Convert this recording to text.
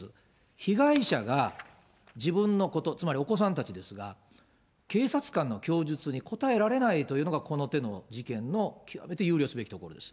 被害者が自分のこと、つまりお子さんたちですが、警察官の供述に答えられないというのが、この手の事件の極めて憂慮すべきところです。